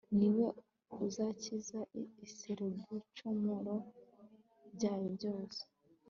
ni we uzakiza israheliibicumuro byayo byose